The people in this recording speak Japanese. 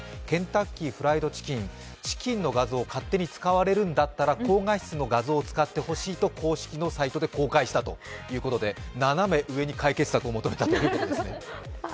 ケンタッキーフライドチキン、チキンの画像を勝手に使われるんだったら高画質の画像を使ってほしいと公式のサイトで公開したということで斜め上に解決策を求めたということですね。